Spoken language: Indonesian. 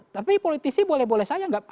tapi politisi boleh boleh saja